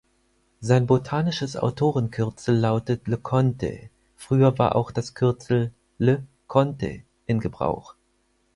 Sein botanisches Autorenkürzel lautet „Leconte“; früher war auch das Kürzel „Le Conte“ in Gebrauch.